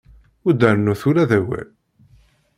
Ur d-rennut ula d awal.